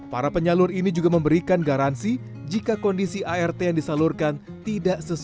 karena penyalur ini juga memberikan jasa blocking yang saja berfungsi renee rekaman di peng greeted tu school persen dan dada paul segat